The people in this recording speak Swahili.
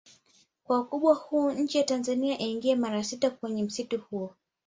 Kwa ukubwa huu nchi ya Tanzania iingie mara sita kwenye msitu huo